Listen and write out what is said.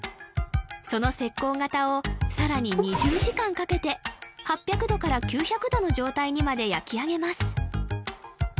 その石膏型をさらに２０時間かけて８００度から９００度の状態にまで焼き上げます